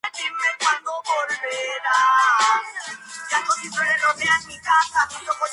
Tiene pasaporte kosovar, montenegrino y suizo.